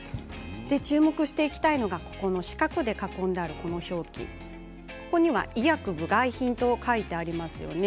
注目していきたいのが四角で囲んである、この表記ここには医薬部外品と書いてありますよね。